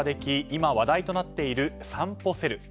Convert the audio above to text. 今、話題となっているさんぽセル。